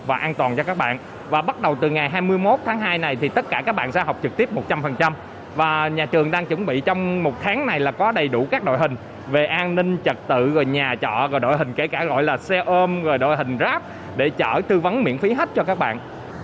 và bắt đầu từ ngày hai mươi một tháng hai này thì tất cả các bạn sẽ học trực tiếp một trăm linh và nhà trường đang chuẩn bị trong một tháng này là có đầy đủ các đội hình về an ninh trật tự rồi nhà chọ rồi đội hình kể cả gọi là xe ôm rồi đội hình ráp để chở thư vấn miễn phí hết cho các bạn